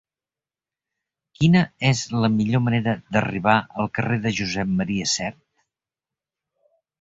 Quina és la millor manera d'arribar al carrer de Josep M. Sert?